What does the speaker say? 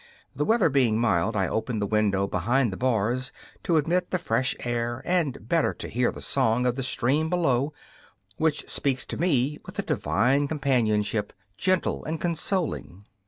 The weather being mild, I open the window behind the bars to admit the fresh air and better to hear the song of the stream below, which speaks to me with a divine companionship, gentle and consoling.